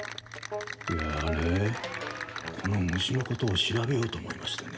いやねこの虫のことを調べようと思いましてね